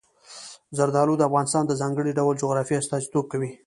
زردالو د افغانستان د ځانګړي ډول جغرافیې استازیتوب کوي.